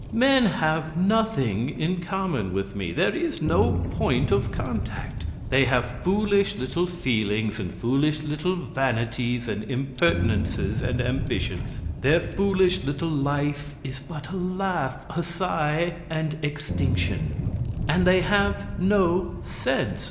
Men have nothing in common with me there is no point of contact; they have foolish little feelings and foolish little vanities and impertinences and ambitions; their foolish little life is but a laugh, a sigh, and extinction; and they have no sense.